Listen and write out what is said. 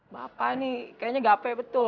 bapak nih kayaknya gape betul